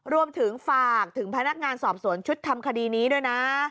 รวมถึงฝากถึงพนักงานสอบสวนชุดทำคดีนี้ด้วยนะ